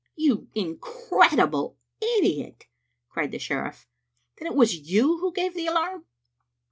" "You incredible idiot!" cried the sheriff. "Then it was you who gave the alarm?"